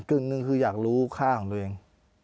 กึ่งหนึ่งคืออยากรู้ค่าของตัวเอง